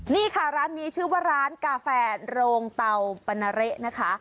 นี่ค่ะร้านนี้ชื่อว่าร้านกาแฟโรงเตาปนาเละนะคะ